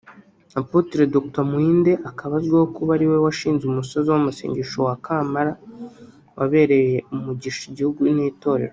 Apotre Dr Muinde akaba azwiho kuba ariwe washinze umusozi w’amasengesho wa Kamapala wabereye umugisha igihugu n’itorero